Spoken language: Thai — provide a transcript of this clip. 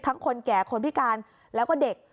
คนแก่คนพิการแล้วก็เด็ก